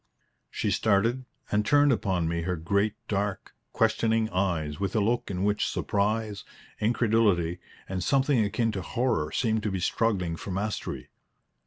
She started, and turned upon me her great dark, questioning eyes with a look in which surprise, incredulity, and something akin to horror seemed to be struggling for mastery.